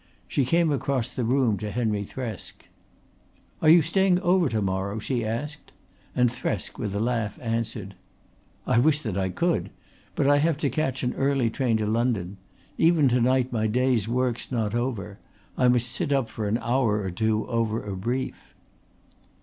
She came across the room to Henry Thresk. "Are you staying over to morrow?" she asked, and Thresk with a laugh answered: "I wish that I could. But I have to catch an early train to London. Even to night my day's work's not over. I must sit up for an hour or two over a brief."